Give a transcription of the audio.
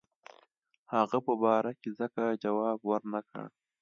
هغه په باره کې ځکه جواب ورنه کړ.